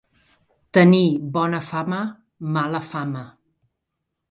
Tenir bona fama, mala fama.